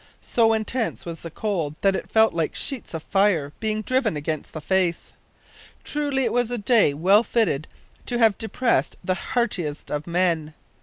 So intense was the cold that it felt like sheets of fire being driven against the face! Truly it was a day well fitted to have depressed the heartiest of men.